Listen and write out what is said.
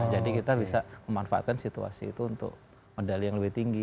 jadi kita bisa memanfaatkan situasi itu untuk modal yang lebih tinggi